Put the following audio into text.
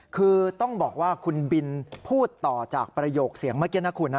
คือต้องบอกว่าคุณบินพูดต่อจากประโยคเสียงเมื่อกี้นะคุณนะ